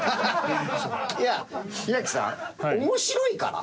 いや平木さん面白いから？